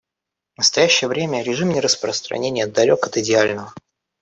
В настоящее время режим нераспространения далек от идеального.